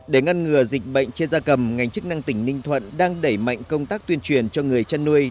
để ngăn ngừa dịch bệnh trên gia cầm ngành chức năng tỉnh ninh thuận đang đẩy mạnh công tác tuyên truyền cho người chăn nuôi